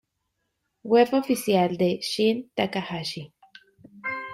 Web oficial de Shin Takahashi